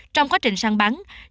trong quá trình săn bắn